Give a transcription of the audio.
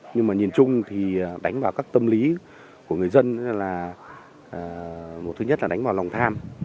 nhưng mà nhìn chung thì đánh vào các tâm lý của người dân là một thứ nhất là đánh vào lòng tham